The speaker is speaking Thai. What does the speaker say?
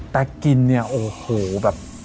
แต่กินเนี่ยโอ้โหแบบ